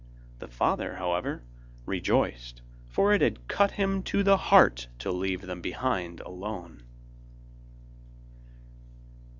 The father, however, rejoiced, for it had cut him to the heart to leave them behind alone.